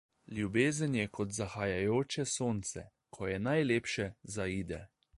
Ljubezen je kot zahajajoče sonce; ko je najlepše, zaide.